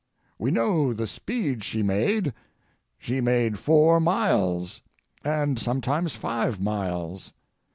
We know the speed she made. She made four miles— and sometimes five miles.